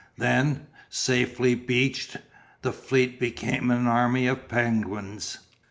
Then, safely beached, the fleet became an army of penguins.